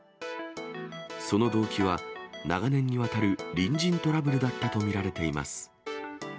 その動機は、長年にわたる隣人トラブルだったと見られています。